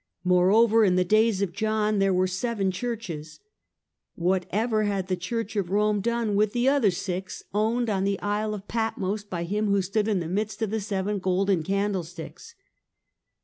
Moreover, in the days of John there were seven churches. Whatever had the" Church of Pome done with the other six owned on the Isle of Patmos by him who stood in the midst of the seven golden candlesticks?